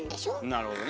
なるほどね。